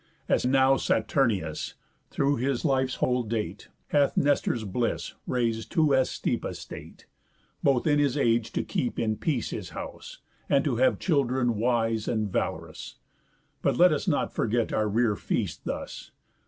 As now Saturnius, through his life's whole date, Hath Nestor's bliss rais'd to as steep a state, Both in his age to keep in peace his house, And to have children wise and valorous. But let us not forget our rear feast thus.